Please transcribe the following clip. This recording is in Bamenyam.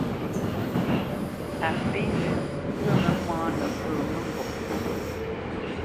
Á fê lə́ ŋgwə mə mâʼnə̌ pə̂ mə́ŋgôp.